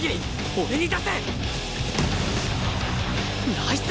ナイス！